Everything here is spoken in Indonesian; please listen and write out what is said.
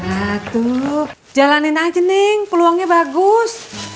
nah tuh jalanin aja ning peluangnya bagus